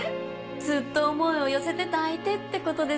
ずっと思いを寄せてた相手って事ですね。